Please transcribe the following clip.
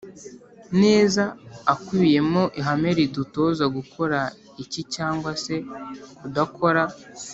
neza, akubiyemo ihame ridutoza gukora iki cyangwa se kudakora